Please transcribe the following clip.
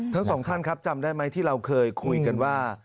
ทั้งสองท่านครับจำได้ไหมที่เราเคยคุยกันว่า